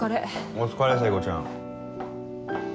お疲れ聖子ちゃん。